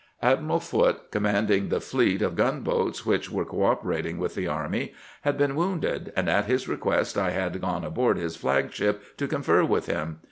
Admiral Foote, commanding the fleet of gunboats which were cooperating with the army, had been wounded, and at his request I had gone aboard his flag ship to confer with him.